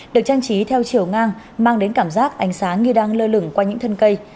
được trang trí theo chiều ngang mang đến cảm giác ánh sáng như đang lơ lửng qua những thân cây